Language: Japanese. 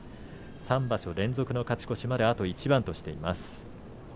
３場所連続の勝ち越しまであと一番としています。